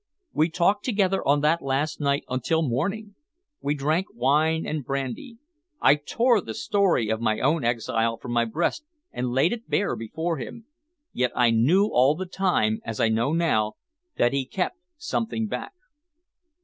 We talked together on that last night until morning; we drank wine and brandy. I tore the story of my own exile from my breast and laid it bare before him. Yet I knew all the time, as I know now, that he kept something back."